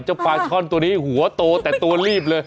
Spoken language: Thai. ปลาช่อนตัวนี้หัวโตแต่ตัวรีบเลย